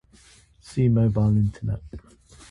See mobile Internet.